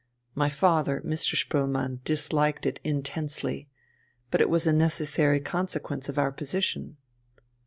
My father, Mr. Spoelmann, disliked it intensely. But it was a necessary consequence of our position."